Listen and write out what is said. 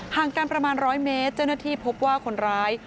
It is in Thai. ห่างกันประมาณ๑๐๐เมตรเจ้าหน้าที่พบว่าคนร้าย